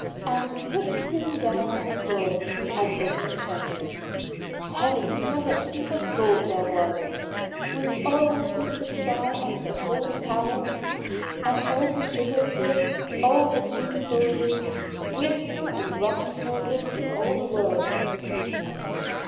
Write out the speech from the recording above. and put him down on the floor, and opened the chest. Heavens! what a heap of gold there was! With all that he could buy up the whole town, and all the sugar pigs, all the tin soldiers, whips and rocking horses in the whole world.